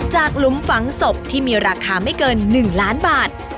หลุมฝังศพที่มีราคาไม่เกิน๑ล้านบาท